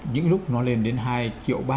những lúc nó lên đến hai triệu ba